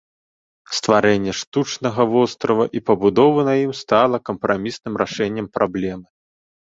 Стварэнне штучнага вострава і пабудовы на ім стала кампрамісным рашэннем праблемы.